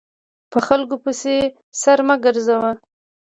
په خلکو پسې سر مه ګرځوه !